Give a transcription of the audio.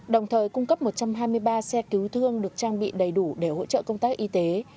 đồng thời cung cấp một trăm hai mươi ba xe cứu thương được trang bị đầy đủ để hỗ trợ công tác y tế